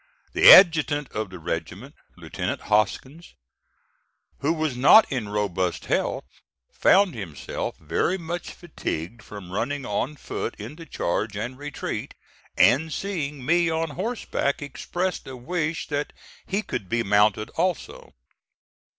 The adjutant of the regiment, Lieutenant Hoskins, who was not in robust health, found himself very much fatigued from running on foot in the charge and retreat, and, seeing me on horseback, expressed a wish that he could be mounted also.